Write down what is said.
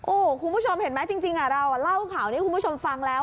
โอ้โหคุณผู้ชมเห็นไหมจริงเราเล่าข่าวนี้คุณผู้ชมฟังแล้ว